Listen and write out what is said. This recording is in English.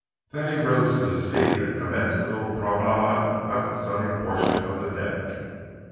Then he rose to his feet and commenced a little promenade about the sunny portion of the deck.